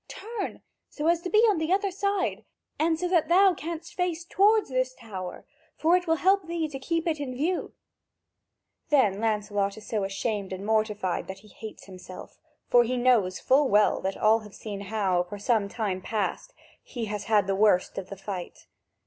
Turn, so as to be on the other side, and so that thou canst face toward this tower, for it will help thee to keep it in view." Then Lancelot is so ashamed and mortified that he hates himself, for he knows full well that all have seen how, for some time past, he has had the worst of the fight.